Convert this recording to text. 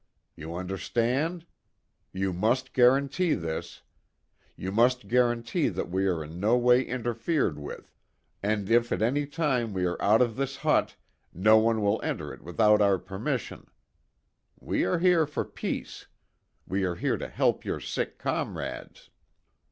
You understand? You must guarantee this. You must guarantee that we are in no way interfered with, and if at any time we are out of this hut, no one will enter it without our permission. We are here for peace. We are here to help your sick comrades.